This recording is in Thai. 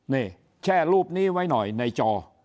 นี่แช่รูปนี้ไว้หน่อยในจอ